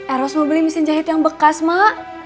eros mau beli mesin jahit yang bekas mak